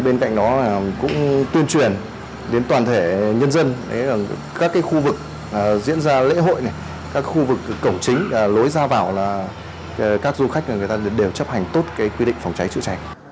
bên cạnh đó cũng tuyên truyền đến toàn thể nhân dân các khu vực diễn ra lễ hội các khu vực cổng chính lối ra vào các du khách đều chấp hành tốt quy định phòng cháy chữa cháy